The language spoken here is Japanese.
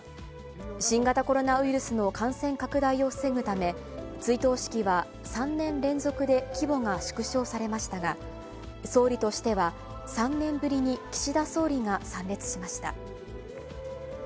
新型コロナウイルスの感染拡大を防ぐため、追悼式は３年連続で規模が縮小されましたが、総理としては、３年ぶりに岸田総理が参列しました。